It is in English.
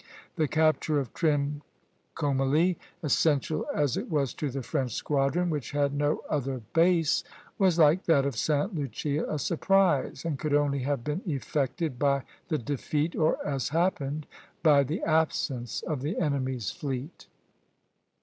The capture of Trincomalee, essential as it was to the French squadron which had no other base, was, like that of Sta. Lucia, a surprise, and could only have been effected by the defeat, or, as happened, by the absence of the enemy's fleet.